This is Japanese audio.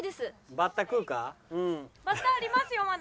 バッタありますよまだ。